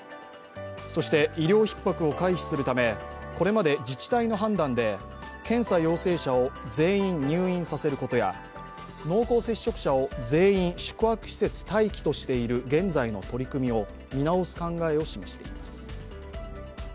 そして医療ひっ迫を回避するため、これまで自治体の判断で検査陽性者を全員入院させることや濃厚接触者を全員宿泊施設待機としている現在の取り組みを見直す考えを示しています。